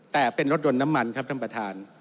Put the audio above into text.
แต่เป็นรถยนต์น้ำมันครับท่านประธาน